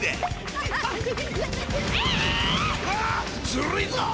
ずるいぞ！